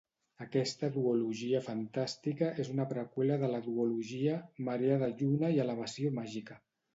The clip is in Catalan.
Aquesta duologia fantàstica és una preqüela de la duologia "Marea de lluna i elevació màgica".